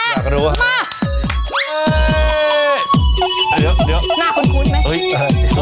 หน้าคนคุณไหม